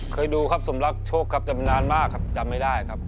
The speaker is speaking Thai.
เคยดูครับสมรักโชคครับจำนานมากครับจำไม่ได้ครับ